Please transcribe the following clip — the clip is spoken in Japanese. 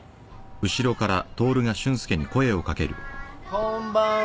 こんばんは。